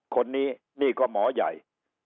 คนนี้นี่ก็หมอใหญ่